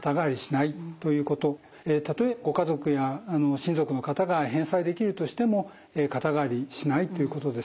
たとえご家族や親族の方が返済できるとしても肩代わりしないということです。